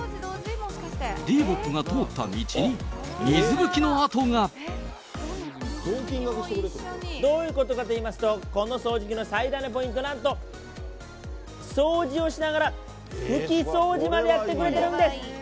ディーボットが通った道に、どういうことかといいますと、この掃除機の最大のポイント、なんと、掃除をしながら拭き掃除までやってくれてるんです。